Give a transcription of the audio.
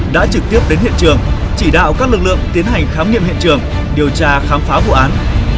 đã trực tiếp đến hiện trường chỉ đạo các lực lượng tiến hành khám nghiệm hiện trường điều tra khám phá vụ án